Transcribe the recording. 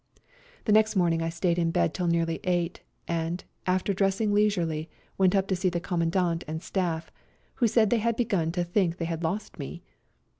The next morning I stayed in bed till nearly eight, and, after dressing leisiu'ely, went up to see the Commandant and staff, who said they had begun to think they had lost me.